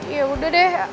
ya udah deh